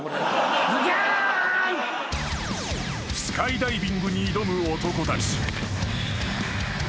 ［スカイダイビングに挑む男たち］